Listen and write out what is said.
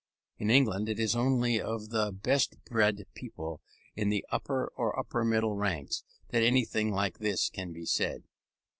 In England it is only of the best bred people, in the upper or upper middle ranks, that anything like this can be said.